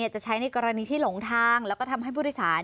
จะใช้ในกรณีที่หลงทางแล้วก็ทำให้ผู้โดยสาร